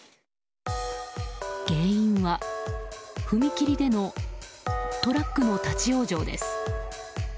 原因は、踏切でのトラックの立ち往生です。